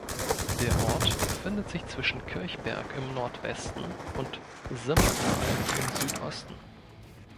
Der Ort befindet sich zwischen Kirchberg im Nordwesten und Simmertal im Südosten.